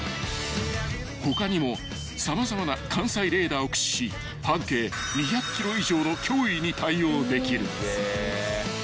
［他にも様々な艦載レーダーを駆使し半径２００ｋｍ以上の脅威に対応できる］